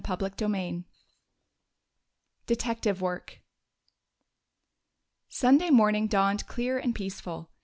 CHAPTER XIII Detective Work Sunday morning dawned clear and peaceful.